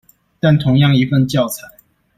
但同樣一份教材